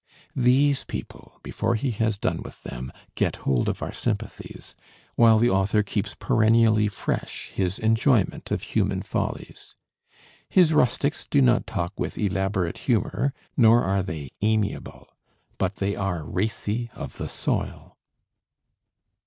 These people, before he has done with them, get hold of our sympathies, while the author keeps perennially fresh his enjoyment of human follies. His rustics do not talk with elaborate humor, nor are they amiable, but they are racy of the soil.